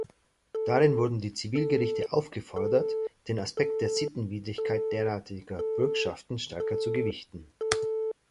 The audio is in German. Darin wurden die Zivilgerichte aufgefordert, den Aspekt der Sittenwidrigkeit derartiger Bürgschaften stärker zu gewichten.